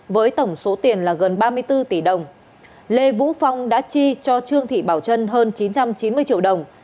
với tổng số tiền là gần ba mươi bốn tỷ đồng lê vũ phong đã chi cho trương thị bảo trân hơn chín trăm chín mươi triệu đồng